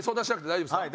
大丈夫ですか？